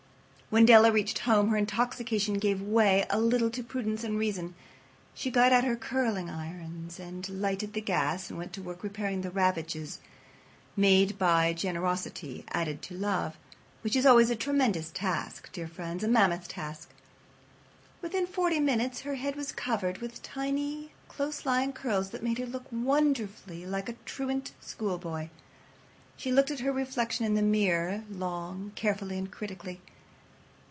When Della reached home her intoxication gave way a little to prudence and reason. She got out her curling irons and lighted the gas and went to work repairing the ravages made by generosity added to love. Which is always a tremendous task, dear friends—a mammoth task. Within forty minutes her head was covered with tiny, close lying curls that made her look wonderfully like a truant schoolboy. She looked at her reflection in the mirror long, carefully, and critically.